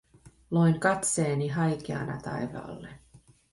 Loin katseeni haikeana taivaalle.